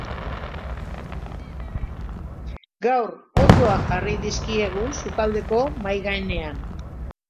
Gaur, onddoak jarri dizkiegu sukaldeko mahai gainean.